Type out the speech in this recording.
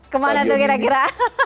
kemana tuh kira kira